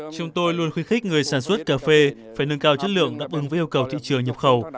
chúng tôi luôn khuyến khích người sản xuất cà phê phải nâng cao chất lượng đáp ứng với yêu cầu thị trường nhập khẩu